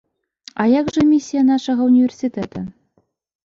А як жа місія нашага ўніверсітэта?